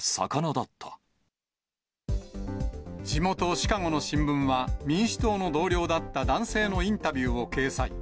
地元、シカゴの新聞は、民主党の同僚だった男性のインタビューを掲載。